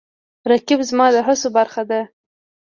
رقیب زما د هڅو برخه ده